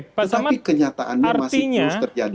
tetapi kenyataannya masih terus terjadi